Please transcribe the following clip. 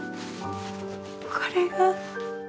これが恋？